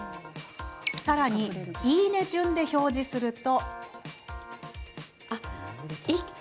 さらに「いいね！順」で表示すると。